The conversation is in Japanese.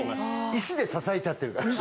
石で支えちゃってるから。